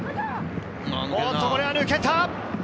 これは抜けた！